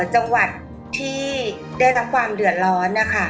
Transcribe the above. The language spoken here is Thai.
จังหวัดที่ได้สักความเดือนร้อน